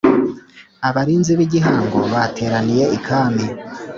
Abarinzi bigihango bateraniye ikami